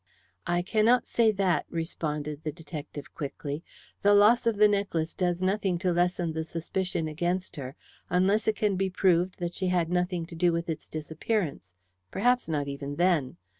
"I cannot say that," responded the detective quickly. "The loss of the necklace does nothing to lessen the suspicion against her unless it can be proved that she had nothing to do with its disappearance perhaps not even then.